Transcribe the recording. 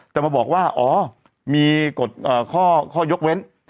จะมาบอกว่าอ๋อมีกฎข้อยกเว้น